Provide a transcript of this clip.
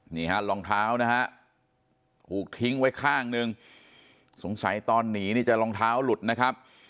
นี่ฮะรองเท้านะฮะถูกทิ้งไว้ข้างหนึ่งสงสัยตอนหนีนี่จะรองเท้าหลุดนะครับ